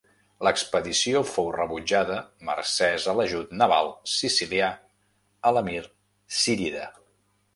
L'expedició fou rebutjada mercès a l'ajut naval sicilià a l'emir zírida.